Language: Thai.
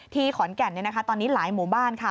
ขอนแก่นตอนนี้หลายหมู่บ้านค่ะ